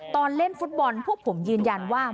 ตอนเล่นฟุตบอลพวกผมยืนยันว่า